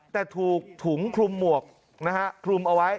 แต่ถูกถุงคลุมหมวกนะฮะคลุมเอาไว้